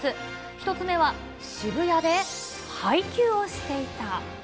１つ目は渋谷で配給をしていた。